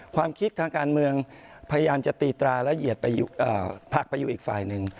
ความคิดทางการเมืองพยายามจะตีตราและเหยียดผลักไปอยู่อีกฝ่ายหนึ่ง